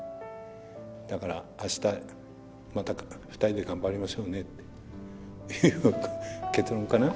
だからあしたまた２人で頑張りましょうねっていう結論かな。